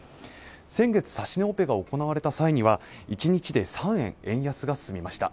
先月指値オペが行われた際には１日で３円円安が進みました